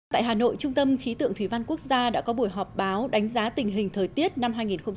tại hà nội trung tâm khí tượng thủy văn quốc gia đã có buổi họp báo đánh giá tình hình thời tiết năm hai nghìn một mươi chín